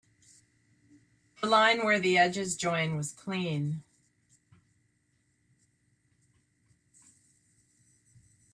The line where the edges join was clean.